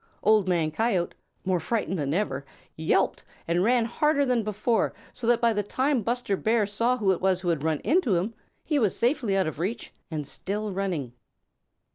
Old Man Coyote, more frightened than ever, yelped and ran harder than before, so that by the time Buster Bear saw who it was who had run into him, he was safely out of reach and still running.